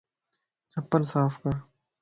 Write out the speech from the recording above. چپل صاف ڪر